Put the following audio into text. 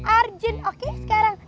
arjen oke sekarang